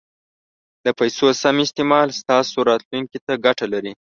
د پیسو سم استعمال ستاسو راتلونکي ته ګټه لري.